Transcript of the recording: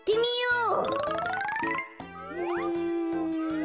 うん。